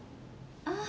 ああ！